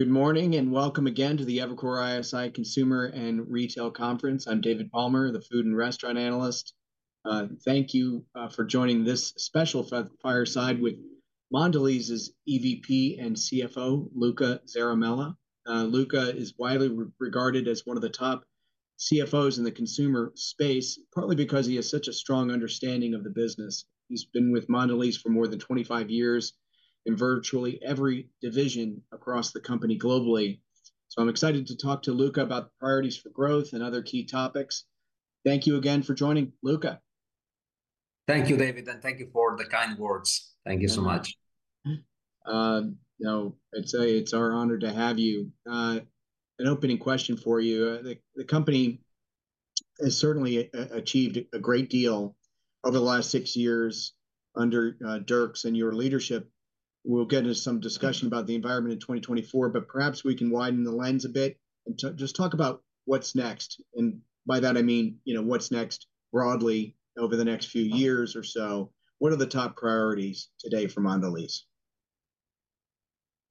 Good morning, and welcome again to the Evercore ISI Consumer and Retail Conference. I'm David Palmer, the food and restaurant analyst. Thank you for joining this special fireside with Mondelēz's EVP and CFO, Luca Zaramella. Luca is widely regarded as one of the top CFOs in the consumer space, partly because he has such a strong understanding of the business. He's been with Mondelēz for more than 25 years, in virtually every division across the company globally. So I'm excited to talk to Luca about priorities for growth and other key topics. Thank you again for joining, Luca. Thank you, David, and thank you for the kind words. Thank you so much. You know, I'd say it's our honor to have you. An opening question for you, the company has certainly achieved a great deal over the last six years under Dirk's and your leadership. We'll get into some discussion about the environment in 2024, but perhaps we can widen the lens a bit, and just talk about what's next, and by that I mean, you know, what's next broadly over the next few years or so. What are the top priorities today for Mondelēz?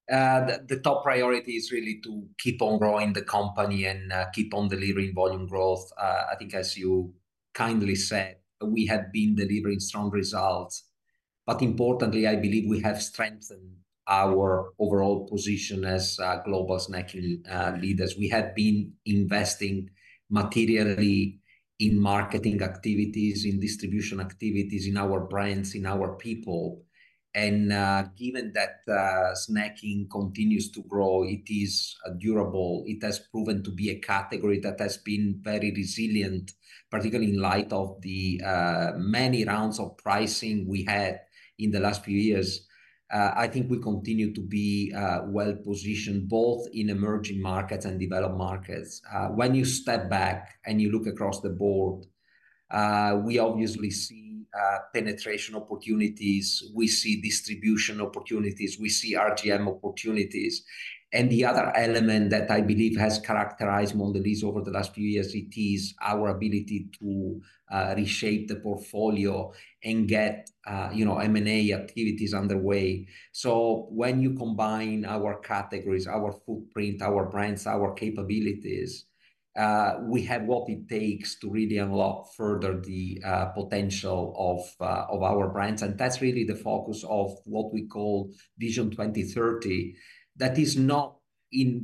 The top priority is really to keep on growing the company and keep on delivering volume growth. I think as you kindly said, we have been delivering strong results. But importantly, I believe we have strengthened our overall position as global snacking leaders. We have been investing materially in marketing activities, in distribution activities, in our brands, in our people. And given that, snacking continues to grow, it is durable. It has proven to be a category that has been very resilient, particularly in light of the many rounds of pricing we had in the last few years. I think we continue to be well-positioned both in emerging markets and developed markets. When you step back and you look across the board, we obviously see penetration opportunities, we see distribution opportunities, we see RGM opportunities. And the other element that I believe has characterized Mondelēz over the last few years, it is our ability to reshape the portfolio and get you know M&A activities underway. So when you combine our categories, our footprint, our brands, our capabilities, we have what it takes to really unlock further the potential of our brands. And that's really the focus of what we call Vision 2030. That is not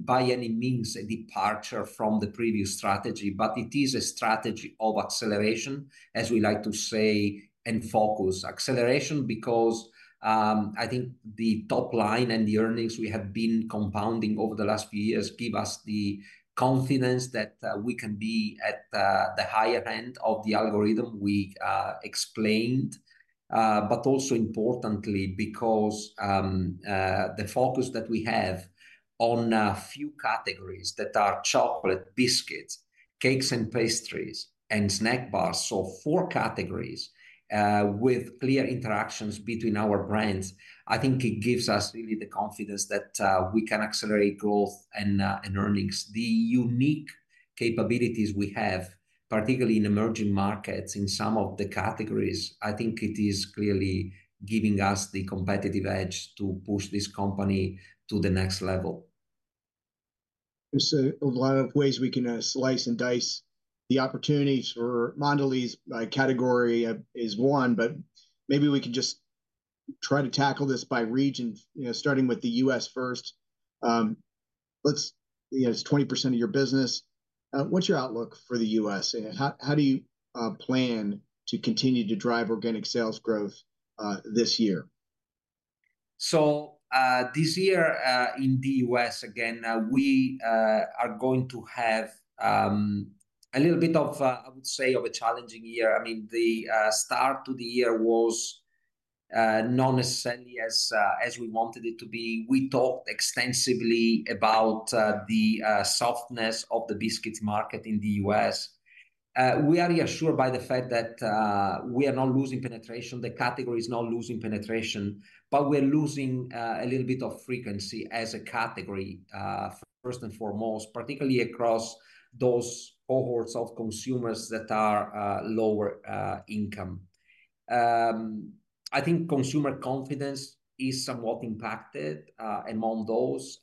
by any means a departure from the previous strategy, but it is a strategy of acceleration, as we like to say, and focus. Acceleration because I think the top line and the earnings we have been compounding over the last few years give us the confidence that we can be at the higher end of the algorithm we explained. But also importantly, because the focus that we have on a few categories that are chocolate, biscuits, cakes and pastries, and snack bars, so four categories, with clear interactions between our brands, I think it gives us really the confidence that we can accelerate growth and and earnings. The unique capabilities we have, particularly in emerging markets, in some of the categories, I think it is clearly giving us the competitive edge to push this company to the next level. There's a lot of ways we can slice and dice the opportunities for Mondelēz by category is one, but maybe we can just try to tackle this by region, you know, starting with the US first. Let's... You know, it's 20% of your business. What's your outlook for the US, and how do you plan to continue to drive organic sales growth this year? So, this year, in the U.S., again, we are going to have a little bit of, I would say of a challenging year. I mean, the start to the year was not necessarily as we wanted it to be. We talked extensively about the softness of the biscuits market in the U.S. We are reassured by the fact that we are not losing penetration, the category is not losing penetration, but we're losing a little bit of frequency as a category, first and foremost, particularly across those cohorts of consumers that are lower income. I think consumer confidence is somewhat impacted among those.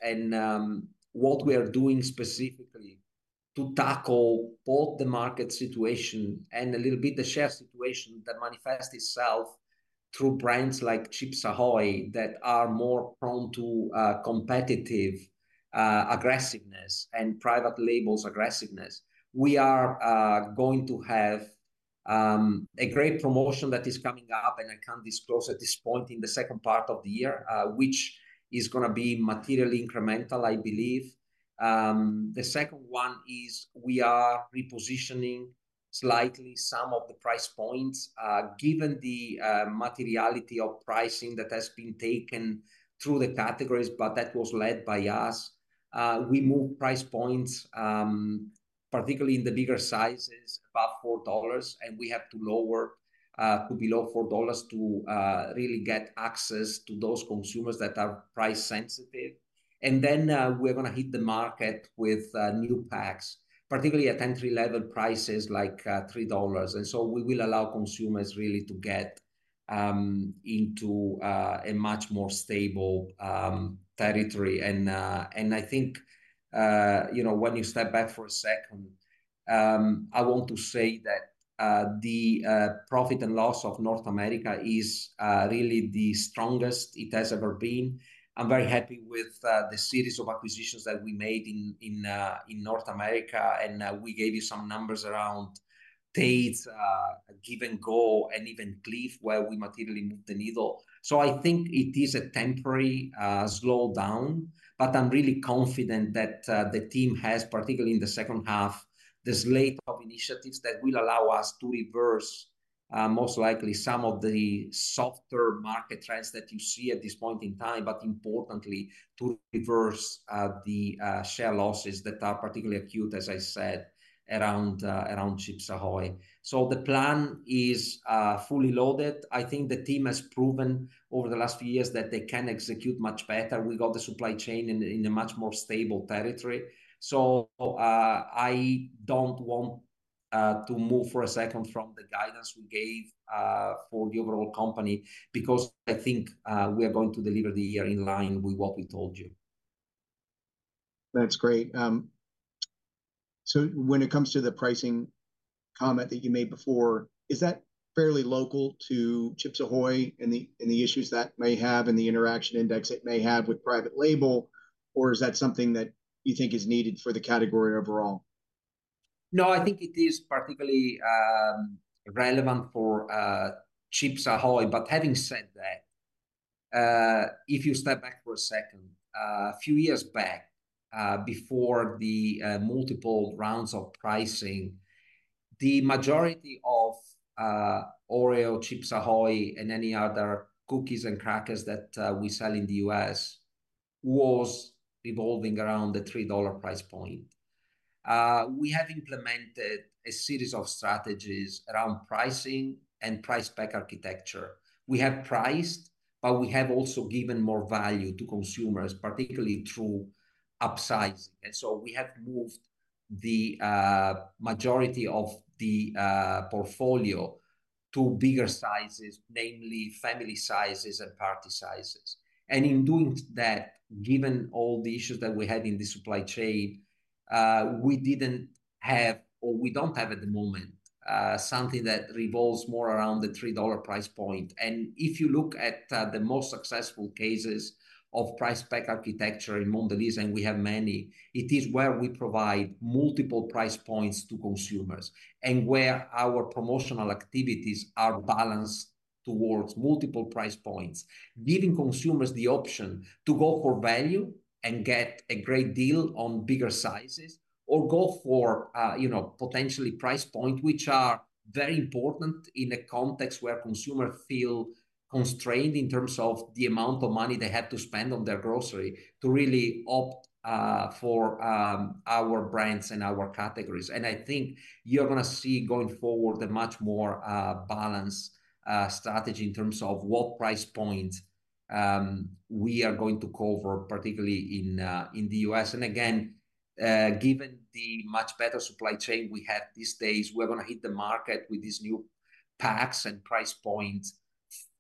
What we are doing specifically to tackle both the market situation and a little bit the share situation that manifests itself through brands like Chips Ahoy! that are more prone to competitive aggressiveness and private labels aggressiveness. We are going to have a great promotion that is coming up, and I can't disclose at this point in the second part of the year, which is gonna be materially incremental, I believe. The second one is we are repositioning slightly some of the price points, given the materiality of pricing that has been taken through the categories, but that was led by us. We moved price points, particularly in the bigger sizes, about $4, and we have to lower to below $4 to really get access to those consumers that are price-sensitive. Then, we're gonna hit the market with new packs, particularly at entry-level prices like $3. And so we will allow consumers really to get into a much more stable territory. And I think, you know, when you step back for a second, I want to say that the profit and loss of North America is really the strongest it has ever been. I'm very happy with the series of acquisitions that we made in North America, and we gave you some numbers around Tate's, Give & Go, and even Clif, where we materially moved the needle. So I think it is a temporary slowdown, but I'm really confident that the team has, particularly in the second half, the slate of initiatives that will allow us to reverse most likely some of the softer market trends that you see at this point in time, but importantly, to reverse the share losses that are particularly acute, as I said, around Chips Ahoy! So the plan is fully loaded. I think the team has proven over the last few years that they can execute much better. We got the supply chain in a much more stable territory. So I don't want to move for a second from the guidance we gave for the overall company, because I think we are going to deliver the year in line with what we told you. That's great. So when it comes to the pricing comment that you made before, is that fairly local to Chips Ahoy! and the issues that may have, and the interaction index it may have with private label, or is that something that you think is needed for the category overall? No, I think it is particularly relevant for Chips Ahoy! But having said that, if you step back for a second, a few years back, before the multiple rounds of pricing, the majority of Oreo, Chips Ahoy!, and any other cookies and crackers that we sell in the U.S. was revolving around the $3 price point. We have implemented a series of strategies around pricing and price pack architecture. We have priced, but we have also given more value to consumers, particularly through upsizing. And so we have moved the majority of the portfolio to bigger sizes, namely family sizes and party sizes. And in doing that, given all the issues that we had in the supply chain, we didn't have, or we don't have at the moment, something that revolves more around the $3 price point. If you look at the most successful cases of Price Pack Architecture in Mondelēz, and we have many, it is where we provide multiple price points to consumers, and where our promotional activities are balanced towards multiple price points, giving consumers the option to go for value and get a great deal on bigger sizes, or go for, you know, potentially price point, which are very important in a context where consumer feel constrained in terms of the amount of money they have to spend on their grocery to really opt for our brands and our categories. I think you're gonna see going forward a much more balanced strategy in terms of what price point we are going to cover, particularly in the U.S. Again, given the much better supply chain we have these days, we're gonna hit the market with these new packs and price points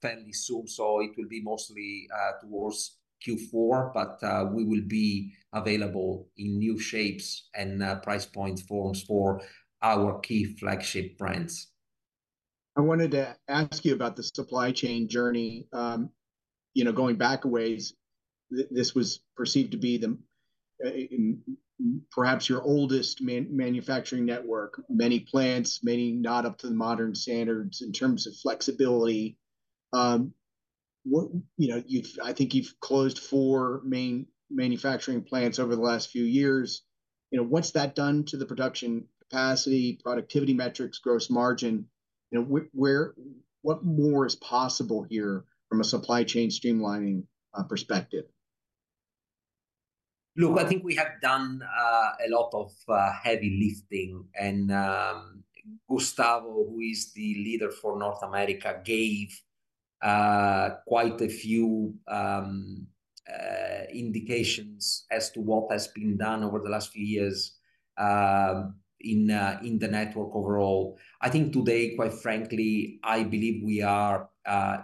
fairly soon. So it will be mostly towards Q4, but we will be available in new shapes and price point forms for our key flagship brands. I wanted to ask you about the supply chain journey. You know, going back a ways, this was perceived to be the, perhaps your oldest manufacturing network. Many plants, many not up to the modern standards in terms of flexibility. You know, I think you've closed 4 main manufacturing plants over the last few years. You know, what's that done to the production capacity, productivity metrics, gross margin? You know, what more is possible here from a supply chain streamlining, perspective? Look, I think we have done a lot of heavy lifting, and Gustavo, who is the leader for North America, gave quite a few indications as to what has been done over the last few years in the network overall. I think today, quite frankly, I believe we are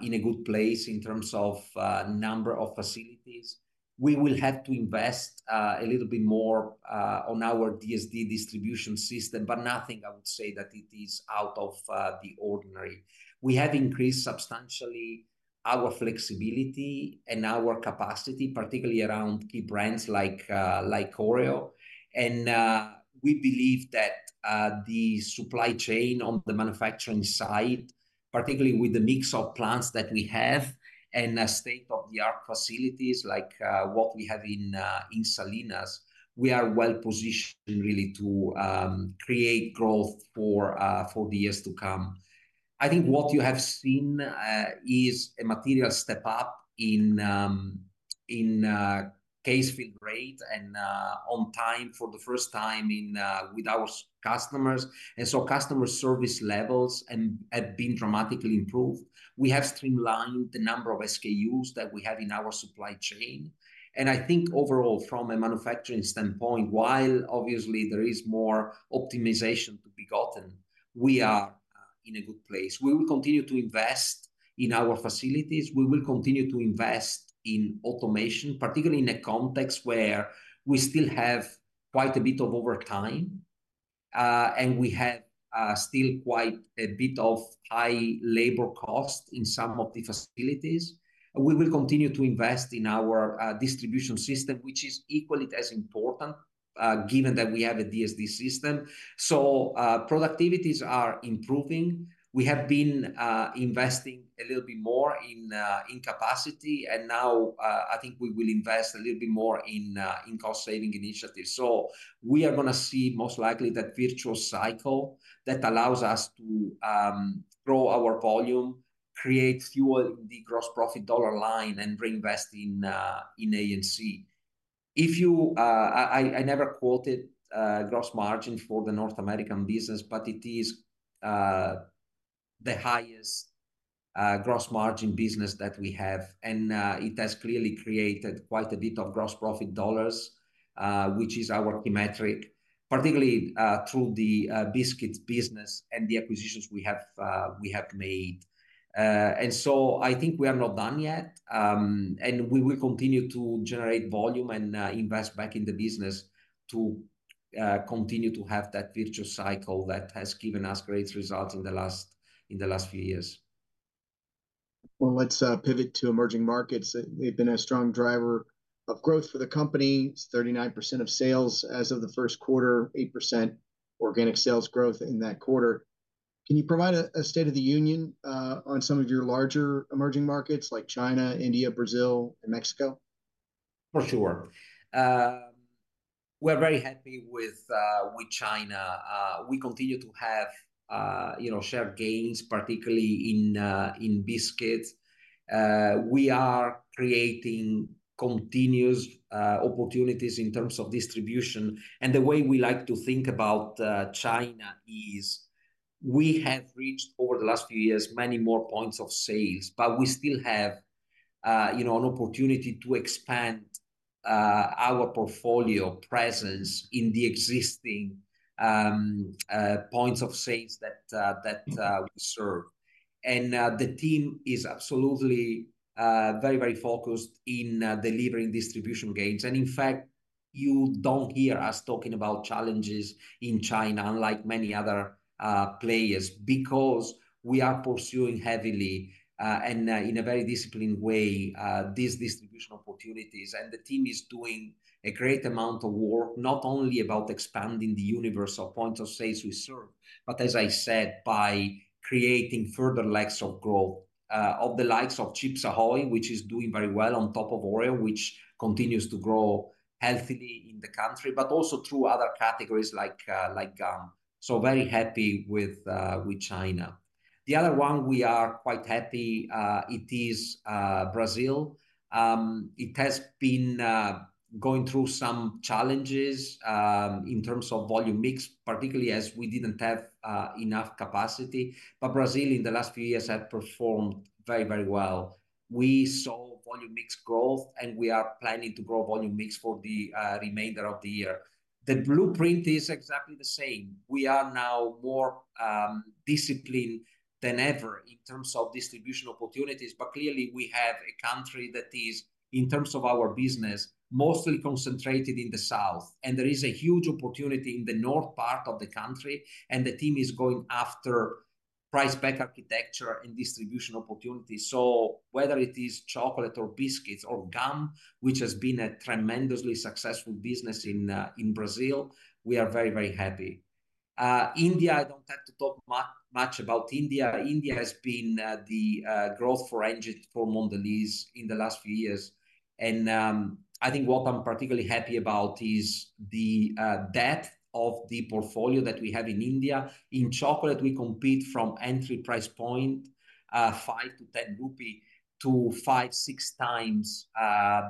in a good place in terms of number of facilities. We will have to invest a little bit more on our DSD distribution system, but nothing I would say that it is out of the ordinary. We have increased substantially our flexibility and our capacity, particularly around key brands like Oreo. We believe that the supply chain on the manufacturing side, particularly with the mix of plants that we have, and the state-of-the-art facilities like what we have in Salinas, we are well positioned really to create growth for the years to come. I think what you have seen is a material step up in case fill rate, and on time for the first time in with our customers. And so customer service levels have been dramatically improved. We have streamlined the number of SKUs that we have in our supply chain. And I think overall, from a manufacturing standpoint, while obviously there is more optimization to be gotten, we are in a good place. We will continue to invest in our facilities. We will continue to invest in automation, particularly in a context where we still have quite a bit of overtime, and we have still quite a bit of high labor costs in some of the facilities. We will continue to invest in our distribution system, which is equally as important, given that we have a DSD system. So, productivities are improving. We have been investing a little bit more in in capacity, and now, I think we will invest a little bit more in in cost-saving initiatives. So we are gonna see most likely that virtual cycle that allows us to grow our volume, create fuel in the gross profit dollar line, and reinvest in in A&C. If you... I never quoted gross margin for the North American business, but it is the highest gross margin business that we have, and it has clearly created quite a bit of gross profit dollars, which is our key metric, particularly through the biscuits business and the acquisitions we have made. And so I think we are not done yet. And we will continue to generate volume and invest back in the business to continue to have that virtual cycle that has given us great results in the last few years. Well, let's pivot to emerging markets. They've been a strong driver of growth for the company. It's 39% of sales as of the first quarter, 8% organic sales growth in that quarter. Can you provide a state of the union on some of your larger emerging markets like China, India, Brazil, and Mexico? For sure. We're very happy with China. We continue to have, you know, share gains, particularly in biscuits. We are creating continuous opportunities in terms of distribution, and the way we like to think about China is we have reached over the last few years many more points of sales, but we still have, you know, an opportunity to expand our portfolio presence in the existing points of sales that we serve. And the team is absolutely very, very focused in delivering distribution gains. And in fact, you don't hear us talking about challenges in China, unlike many other players, because we are pursuing heavily and in a very disciplined way these distribution opportunities. And the team is doing a great amount of work, not only about expanding the universe of points of sales we serve, but as I said, by creating further legs of growth, of the likes of Chips Ahoy, which is doing very well on top of Oreo, which continues to grow healthily in the country, but also through other categories like gum. So very happy with China. The other one we are quite happy, it is, Brazil. It has been going through some challenges in terms of volume mix, particularly as we didn't have enough capacity. But Brazil, in the last few years, have performed very, very well. We saw volume mix growth, and we are planning to grow volume mix for the remainder of the year. The blueprint is exactly the same. We are now more disciplined than ever in terms of distribution opportunities, but clearly, we have a country that is, in terms of our business, mostly concentrated in the south. There is a huge opportunity in the north part of the country, and the team is going after price pack architecture and distribution opportunities. Whether it is chocolate or biscuits or gum, which has been a tremendously successful business in Brazil, we are very, very happy. India, I don't have to talk much about India. India has been the growth engine for Mondelēz in the last few years. I think what I'm particularly happy about is the depth of the portfolio that we have in India. In chocolate, we compete from entry price point, 5-10 rupee to 5-6 times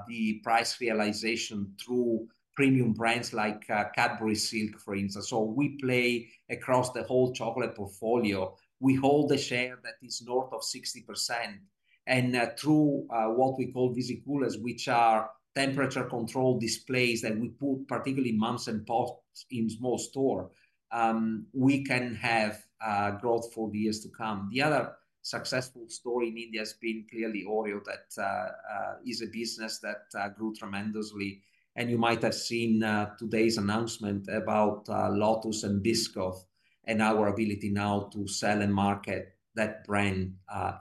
the price realization through premium brands like Cadbury Silk, for instance. So we play across the whole chocolate portfolio. We hold a share that is north of 60%, and through what we call Visicoolers, which are temperature-controlled displays that we put particularly in mums and pops in small store, we can have growth for the years to come. The other success story in India has been clearly Oreo, that is a business that grew tremendously. And you might have seen today's announcement about Lotus and Biscoff and our ability now to sell and market that brand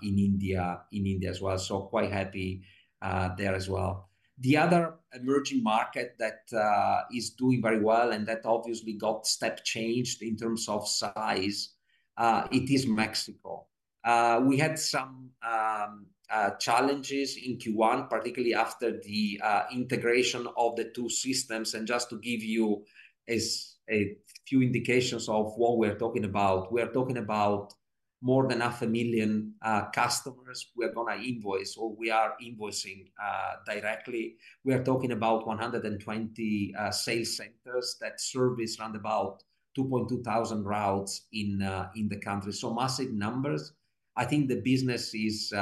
in India, in India as well. So quite happy there as well. The other emerging market that is doing very well and that obviously got step changed in terms of size, it is Mexico. We had some challenges in Q1, particularly after the integration of the two systems. And just to give you a few indications of what we're talking about, we're talking about more than 500,000 customers we're gonna invoice, or we are invoicing, directly. We are talking about 120 sales centres that service roundabout 2,200 routes in the country. So massive numbers. I think the business is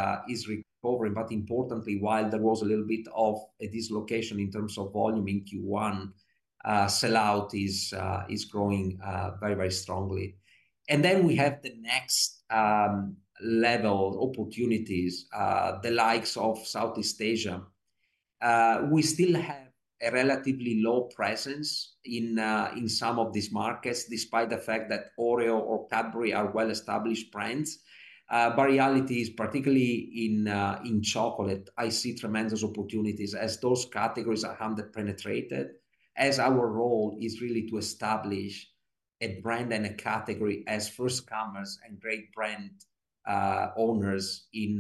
recovering, but importantly, while there was a little bit of a dislocation in terms of volume in Q1, sell out is growing very, very strongly. Then we have the next level opportunities, the likes of Southeast Asia. We still have a relatively low presence in some of these markets, despite the fact that Oreo or Cadbury are well-established brands. But reality is particularly in chocolate, I see tremendous opportunities as those categories are under-penetrated, as our role is really to establish a brand and a category as first comers and great brand owners in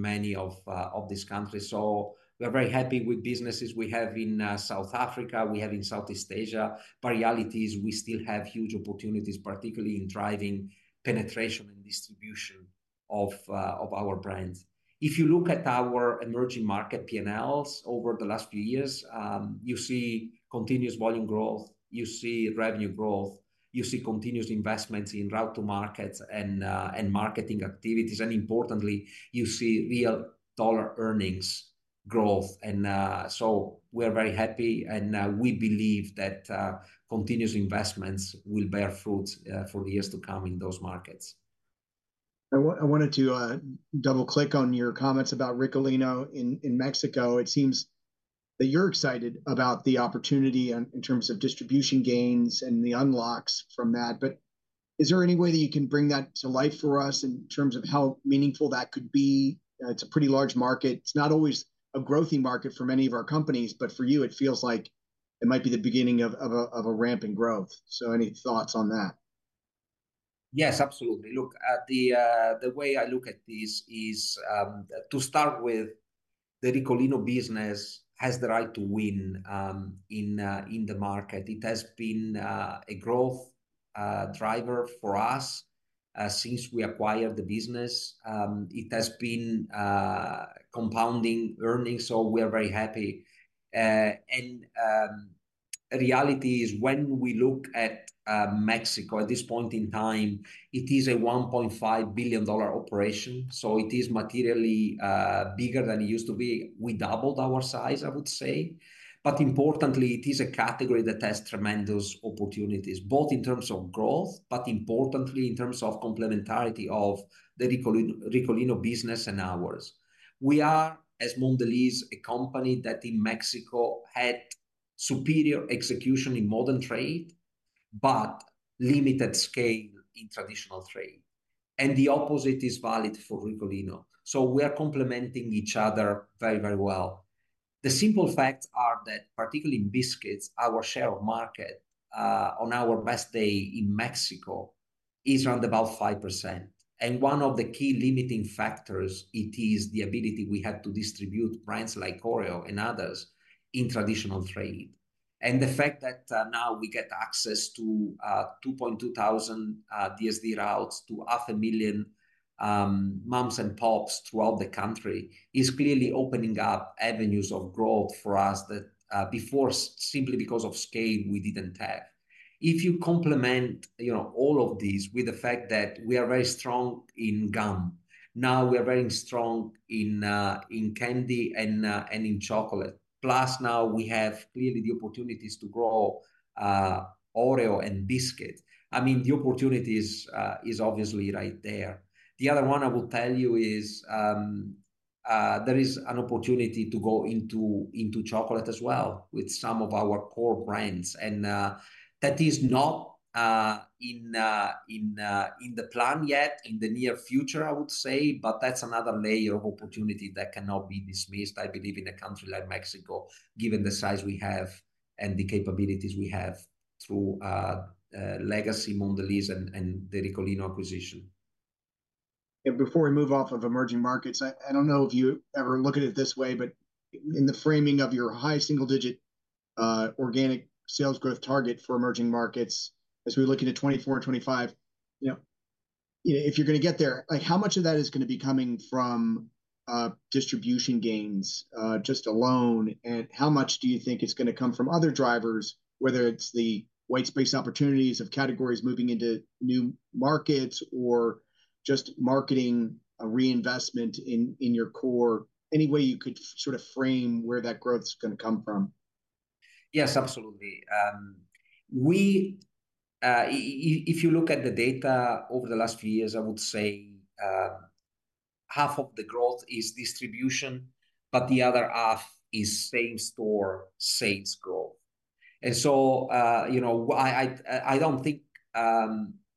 many of these countries. So we're very happy with businesses we have in South Africa, we have in Southeast Asia, but reality is we still have huge opportunities, particularly in driving penetration and distribution of our brands. If you look at our emerging market PNLs over the last few years, you see continuous volume growth, you see revenue growth, you see continuous investments in route to markets and marketing activities, and importantly, you see real dollar earnings growth. And, so we're very happy, and, we believe that continuous investments will bear fruit for years to come in those markets. I wanted to double-click on your comments about Ricolino in Mexico. It seems that you're excited about the opportunity in terms of distribution gains and the unlocks from that. But is there any way that you can bring that to life for us in terms of how meaningful that could be? It's a pretty large market. It's not always a growthy market for many of our companies, but for you, it feels like it might be the beginning of a rampant growth. So any thoughts on that? Yes, absolutely. Look, at the, the way I look at this is, to start with, the Ricolino business has the right to win, in, in the market. It has been, a growth, driver for us, since we acquired the business. It has been, compounding earnings, so we are very happy. And, reality is when we look at, Mexico at this point in time, it is a $1.5 billion operation, so it is materially, bigger than it used to be. We doubled our size, I would say. But importantly, it is a category that has tremendous opportunities, both in terms of growth, but importantly in terms of complementarity of the Ricolino business and ours. We are, as Mondelēz, a company that in Mexico had superior execution in modern trade, but limited scale in traditional trade. And the opposite is valid for Ricolino. So we are complementing each other very, very well. The simple facts are that, particularly in biscuits, our share of market, on our best day in Mexico, is around about 5%. And one of the key limiting factors, it is the ability we have to distribute brands like Oreo and others in traditional trade. And the fact that, now we get access to 2,200 DSD routes, to half a million moms and pops throughout the country, is clearly opening up avenues of growth for us that, before, simply because of scale, we didn't have. If you complement, you know, all of these with the fact that we are very strong in gum, now we are very strong in candy and in chocolate. Plus now we have clearly the opportunities to grow Oreo and biscuit. I mean, the opportunities is obviously right there. The other one I will tell you is, there is an opportunity to go into chocolate as well with some of our core brands. And that is not in the plan yet, in the near future, I would say, but that's another layer of opportunity that cannot be dismissed, I believe, in a country like Mexico, given the size we have and the capabilities we have through legacy Mondelēz and the Ricolino acquisition. Before we move off of emerging markets, I don't know if you ever look at it this way, but in the framing of your high single-digit organic sales growth target for emerging markets, as we look into 2024 and 2025, you know, if you're gonna get there, like, how much of that is gonna be coming from distribution gains just alone, and how much do you think is gonna come from other drivers, whether it's the white space opportunities of categories moving into new markets, or just marketing a reinvestment in your core? Any way you could sort of frame where that growth is gonna come from? Yes, absolutely. If you look at the data over the last few years, I would say half of the growth is distribution, but the other half is same-store sales growth. And so, you know, I don't think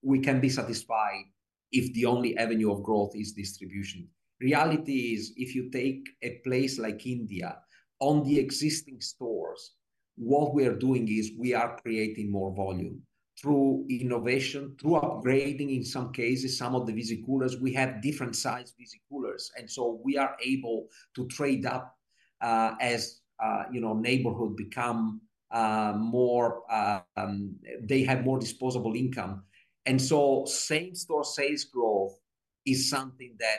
we can be satisfied if the only avenue of growth is distribution. Reality is, if you take a place like India, on the existing stores, what we are doing is we are creating more volume through innovation, through upgrading, in some cases, some of the visicoolers. We have different size visicoolers, and so we are able to trade up, as you know, neighborhood become more, they have more disposable income. And so same-store sales growth is something that,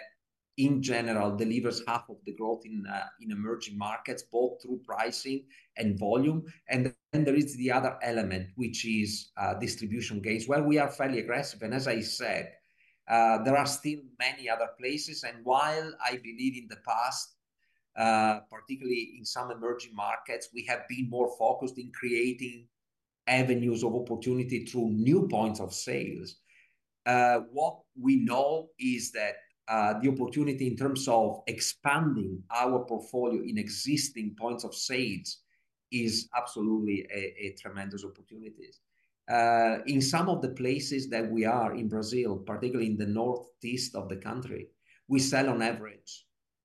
in general, delivers half of the growth in emerging markets, both through pricing and volume. And then there is the other element, which is, distribution gains, where we are fairly aggressive. And as I said, there are still many other places, and while I believe in the past, particularly in some emerging markets, we have been more focused in creating avenues of opportunity through new points of sales. What we know is that, the opportunity in terms of expanding our portfolio in existing points of sales is absolutely a tremendous opportunities. In some of the places that we are in Brazil, particularly in the northeast of the country, we sell on average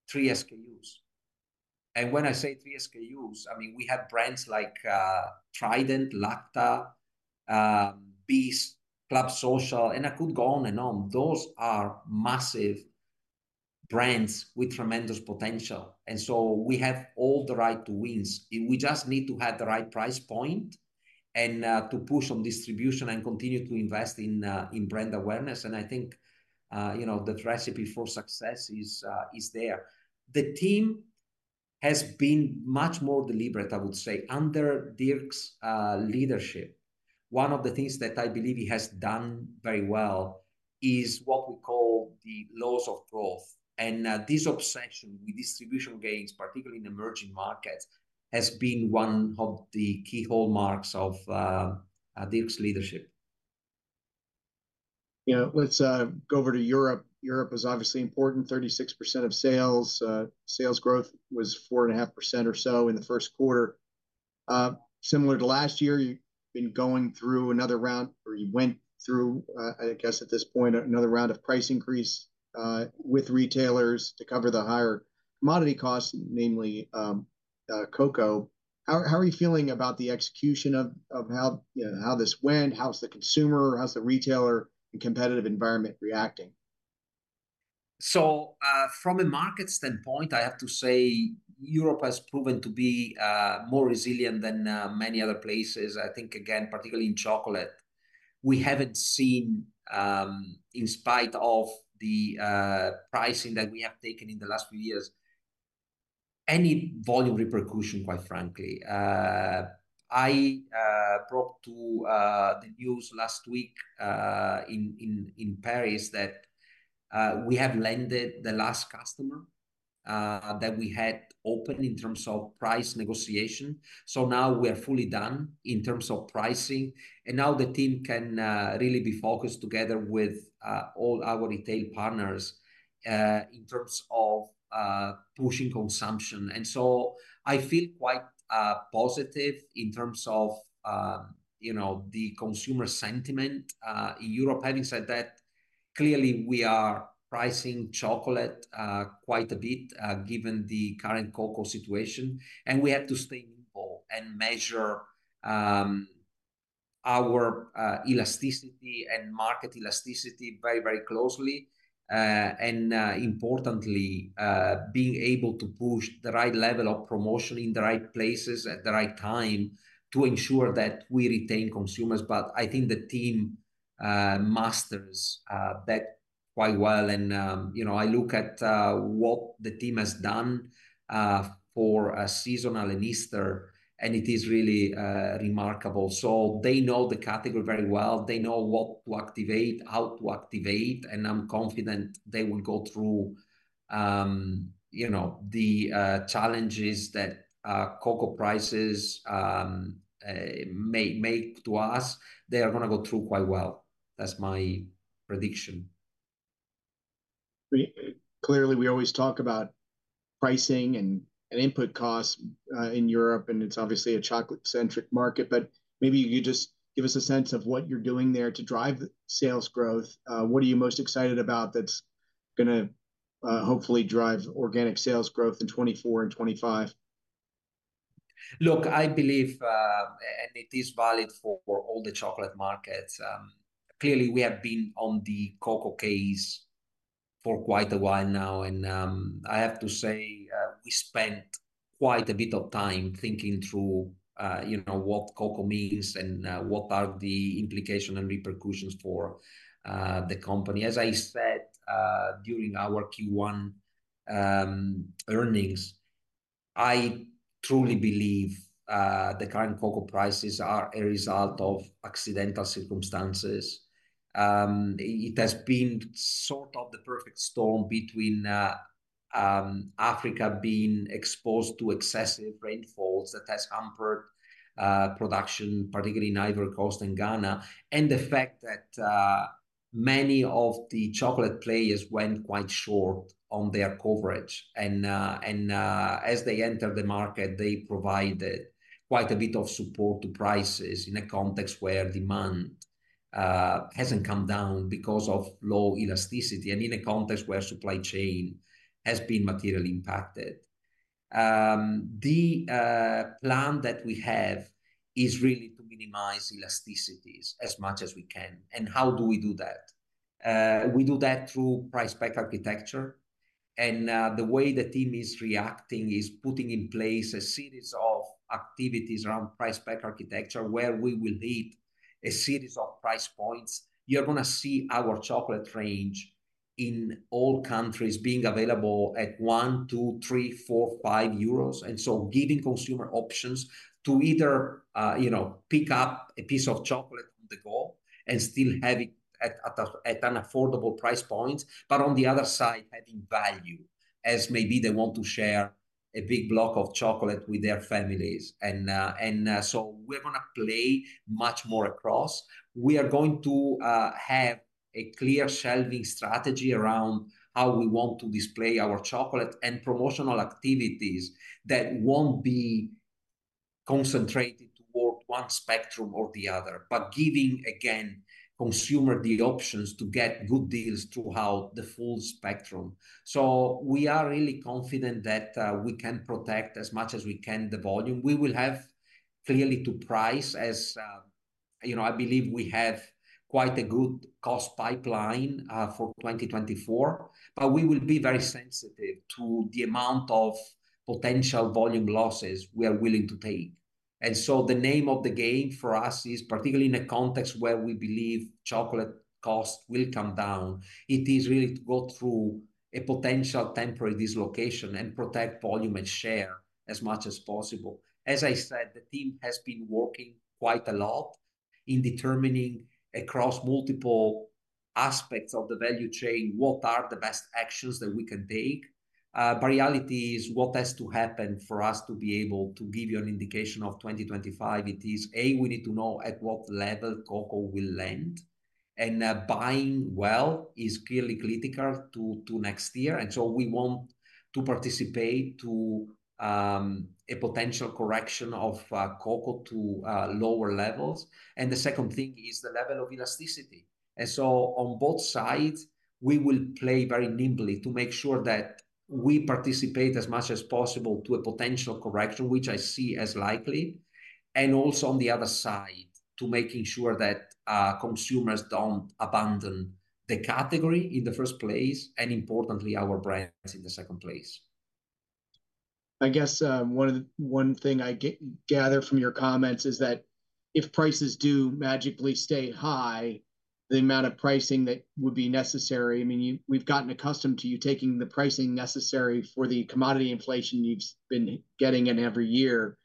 3 SKUs. And when I say 3 SKUs, I mean, we have brands like, Trident, Lacta, Bis, Club Social, and I could go on and on. Those are massive brands with tremendous potential, and so we have all the right to win. We just need to have the right price point, and to push on distribution and continue to invest in in brand awareness. And I think, you know, the recipe for success is there. The team has been much more deliberate, I would say, under Dirk's leadership. One of the things that I believe he has done very well is what we call the Laws of Growth. And this obsession with distribution gains, particularly in emerging markets, has been one of the key hallmarks of Dirk's leadership. You know, let's go over to Europe. Europe is obviously important, 36% of sales. Sales growth was 4.5% or so in the first quarter. Similar to last year, you've been going through another round, or you went through, I guess at this point, another round of price increase with retailers to cover the higher commodity costs, namely, cocoa. How are you feeling about the execution of how this went? How's the consumer, how's the retailer and competitive environment reacting? So, from a market standpoint, I have to say, Europe has proven to be more resilient than many other places. I think, again, particularly in chocolate, we haven't seen, in spite of the pricing that we have taken in the last few years, any volume repercussion, quite frankly. I brought to the news last week in Paris that we have landed the last customer that we had open in terms of price negotiation. So now we are fully done in terms of pricing, and now the team can really be focused together with all our retail partners in terms of pushing consumption. And so I feel quite positive in terms of, you know, the consumer sentiment in Europe. Having said that, clearly we are pricing chocolate quite a bit, given the current cocoa situation, and we have to stay nimble and measure our elasticity and market elasticity very, very closely. And, importantly, being able to push the right level of promotion in the right places at the right time to ensure that we retain consumers. But I think the team masters that quite well. And, you know, I look at what the team has done for seasonal and Easter, and it is really remarkable. So they know the category very well. They know what to activate, how to activate, and I'm confident they will go through, you know, the challenges that cocoa prices may make to us. They are gonna go through quite well. That's my prediction. Clearly, we always talk about pricing and input costs in Europe, and it's obviously a chocolate-centric market, but maybe you just give us a sense of what you're doing there to drive sales growth. What are you most excited about that's gonna hopefully drive organic sales growth in 2024 and 2025? Look, I believe, and it is valid for, for all the chocolate markets, clearly, we have been on the cocoa case for quite a while now, and, I have to say, we spent quite a bit of time thinking through, you know, what cocoa means, and, what are the implications and repercussions for, the company. As I said, during our Q1, earnings, I truly believe, the current cocoa prices are a result of accidental circumstances. It has been sort of the perfect storm between, Africa being exposed to excessive rainfalls that has hampered, production, particularly in Ivory Coast and Ghana. And the fact that, many of the chocolate players went quite short on their coverage. As they entered the market, they provided quite a bit of support to prices in a context where demand hasn't come down because of low elasticity and in a context where supply chain has been materially impacted. The plan that we have is really to minimize elasticities as much as we can. And how do we do that? We do that through price-pack architecture, and the way the team is reacting is putting in place a series of activities around price-pack architecture, where we will leave a series of price points. You're gonna see our chocolate range in all countries being available at 1, 2, 3, 4, 5 euros. And so giving consumer options to either, you know, pick up a piece of chocolate-... and still have it at an affordable price point, but on the other side, adding value, as maybe they want to share a big block of chocolate with their families. And so we're gonna play much more across. We are going to have a clear shelving strategy around how we want to display our chocolate and promotional activities that won't be concentrated toward one spectrum or the other. But giving, again, consumer the options to get good deals throughout the full spectrum. So we are really confident that we can protect as much as we can the volume. We will have clearly to price as, you know, I believe we have quite a good cost pipeline for 2024, but we will be very sensitive to the amount of potential volume losses we are willing to take. And so the name of the game for us is, particularly in a context where we believe chocolate costs will come down, it is really to go through a potential temporary dislocation and protect volume and share as much as possible. As I said, the team has been working quite a lot in determining across multiple aspects of the value chain, what are the best actions that we can take? But reality is, what has to happen for us to be able to give you an indication of 2025, it is, A, we need to know at what level cocoa will land, and, buying well is clearly critical to, to next year. And so we want to participate to, a potential correction of, cocoa to, lower levels. And the second thing is the level of elasticity. And so on both sides, we will play very nimbly to make sure that we participate as much as possible to a potential correction, which I see as likely, and also on the other side, to making sure that, consumers don't abandon the category in the first place, and importantly, our brands in the second place. I guess, one thing I gather from your comments is that if prices do magically stay high, the amount of pricing that would be necessary, I mean, we've gotten accustomed to you taking the pricing necessary for the commodity inflation you've been getting in every year,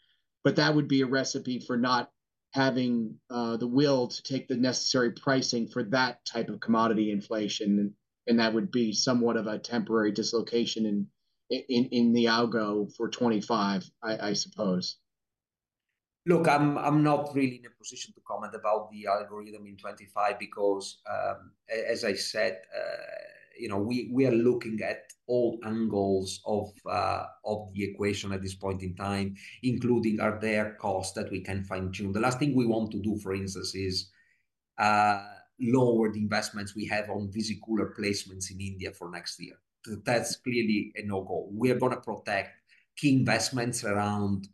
but that would be a recipe for not having the will to take the necessary pricing for that type of commodity inflation, and that would be somewhat of a temporary dislocation in the algo for 25, I suppose. Look, I'm not really in a position to comment about the algorithm in 25 because, as I said, you know, we are looking at all angles of the equation at this point in time, including are there costs that we can fine-tune? The last thing we want to do, for instance, is lower the investments we have on cooler placements in India for next year. That's clearly a no-go. We are gonna protect key investments around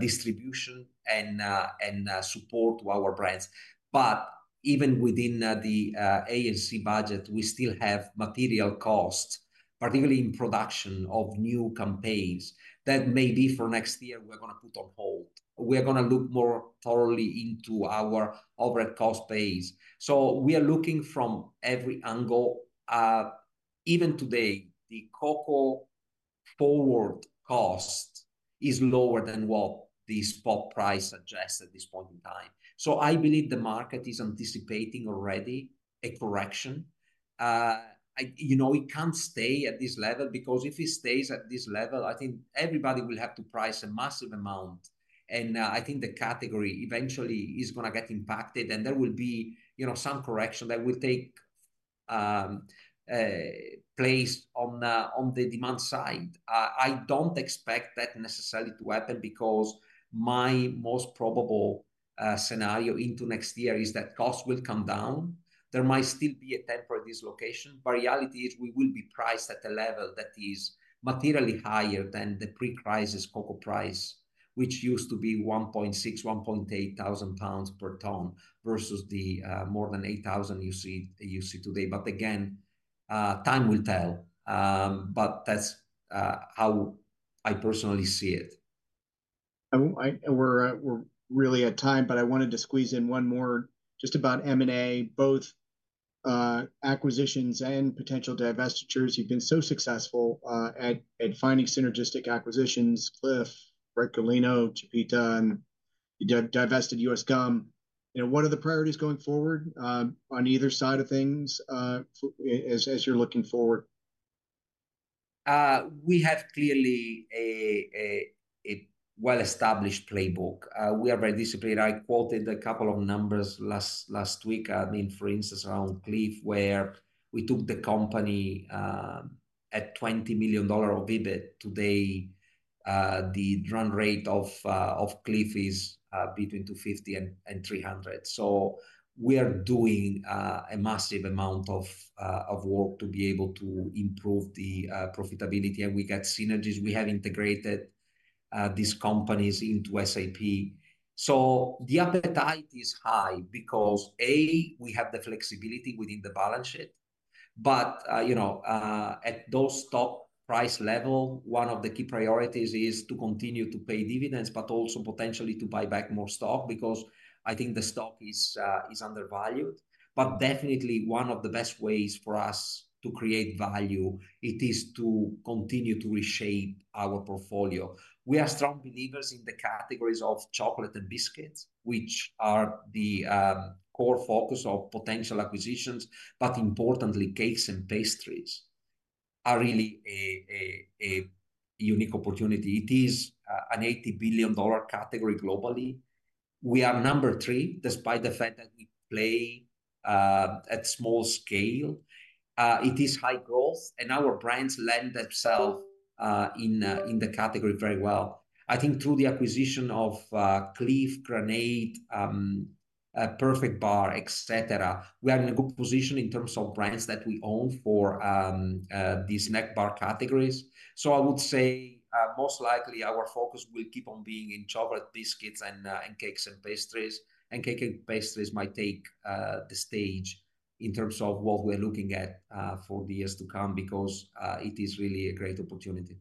distribution and support to our brands. But even within the A&C budget, we still have material costs, particularly in production of new campaigns, that maybe for next year we're gonna put on hold. We're gonna look more thoroughly into our overall cost base. So we are looking from every angle. Even today, the cocoa forward cost is lower than what the spot price suggests at this point in time. So I believe the market is anticipating already a correction. I, you know, it can't stay at this level, because if it stays at this level, I think everybody will have to price a massive amount, and, I think the category eventually is gonna get impacted, and there will be, you know, some correction that will take place on the demand side. I don't expect that necessarily to happen because my most probable scenario into next year is that costs will come down. There might still be a temporary dislocation, but reality is, we will be priced at a level that is materially higher than the pre-crisis cocoa price, which used to be 1,600-1,800 pounds per ton, versus the more than 8,000 you see today. But again, time will tell. But that's how I personally see it. We're really at time, but I wanted to squeeze in one more just about M&A, both acquisitions and potential divestitures. You've been so successful at finding synergistic acquisitions, Clif, Ricolino, Chipita, and you divested US Gum. You know, what are the priorities going forward on either side of things as you're looking forward? We have clearly a well-established playbook. We are very disciplined. I quoted a couple of numbers last week, I mean, for instance, around Clif, where we took the company at $20 million of EBIT. Today, the run rate of Clif is between $250 million and $300 million. So we are doing a massive amount of work to be able to improve the profitability, and we get synergies. We have integrated these companies into SAP. So the appetite is high because, A, we have the flexibility within the balance sheet, but you know, at those stock price level, one of the key priorities is to continue to pay dividends, but also potentially to buy back more stock, because I think the stock is undervalued. Definitely one of the best ways for us to create value, it is to continue to reshape our portfolio. We are strong believers in the categories of chocolate and biscuits, which are the core focus of potential acquisitions, but importantly, cakes and pastries are really a unique opportunity. It is an $80 billion category globally. We are number three, despite the fact that we play at small scale. It is high growth, and our brands lend themselves in the category very well. I think through the acquisition of Clif, Grenade, Perfect Bar, et cetera, we are in a good position in terms of brands that we own for the snack bar categories. So I would say most likely our focus will keep on being in chocolate, biscuits, and cakes and pastries. Cake and pastries might take the stage in terms of what we're looking at for the years to come, because it is really a great opportunity.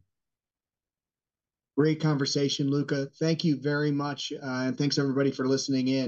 Great conversation, Luca. Thank you very much, and thanks everybody for listening in.